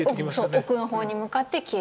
奥の方に向かって消えていく。